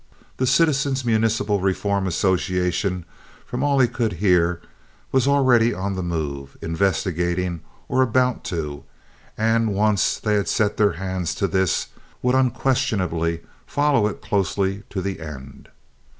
The Citizens' Municipal Reform Association, from all he could hear, was already on the move—investigating, or about to, and once they had set their hands to this, would unquestionably follow it closely to the end.